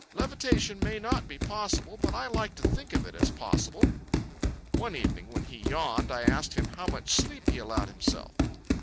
Levitation may not be possible, but I like to think of it as possible." One evening, when he yawned, I asked him how much sleep he allowed himself.